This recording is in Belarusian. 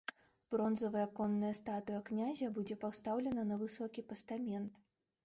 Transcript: Бронзавая конная статуя князя будзе пастаўлена на высокі пастамент.